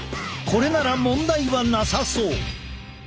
これなら問題はなさそう。